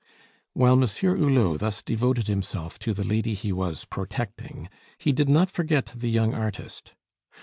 While Monsieur Hulot thus devoted himself to the lady he was "protecting," he did not forget the young artist.